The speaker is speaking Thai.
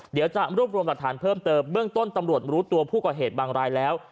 เดี๋ยวจะรวบรวมหลักฐานเพิ่มเติมเบื้องต้นตำรวจรู้ตัวผู้ก่อเหตุบางรายแล้ว